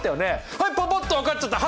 はいパパっと分かっちゃった。